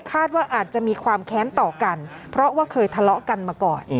คาดว่าอาจจะมีความแค้นต่อกันเพราะว่าเคยทะเลาะกันมาก่อน